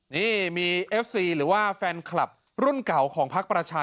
นี่มีเอฟซีหรือว่าแฟนคลับรุ่นเก่าของพักประชา